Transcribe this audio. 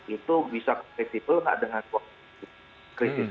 itu bisa berarti berlaku dengan krisis